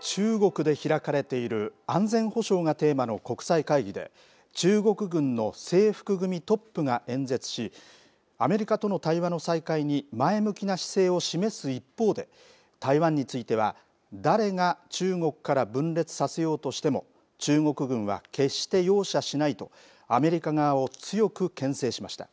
中国で開かれている安全保障がテーマの国際会議で、中国軍の制服組トップが演説し、アメリカとの対話の再開に前向きな姿勢を示す一方で、台湾については、誰が中国から分裂させようとしても、中国軍は決して容赦しないと、アメリカ側を強くけん制しました。